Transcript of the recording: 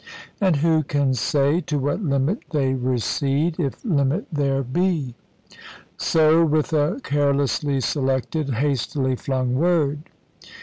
And who can say to what limit they recede, if limit there be? So with a carelessly selected, hastily flung word.